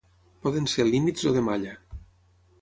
Poden ser límits o de malla.